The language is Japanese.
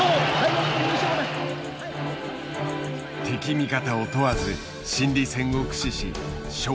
敵味方を問わず心理戦を駆使し勝利を手繰り寄せる。